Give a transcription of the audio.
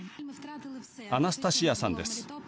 アナスタシヤさんです。